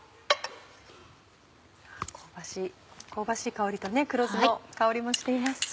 香ばしい香りと黒酢の香りもしています。